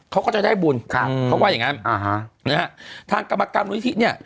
เขาก็จะได้บุญเขาว่าอย่างนั้นทางกรรมกรรมนุษยธิ